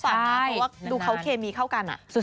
เพราะว่าดูเขาเคมีเข้ากัน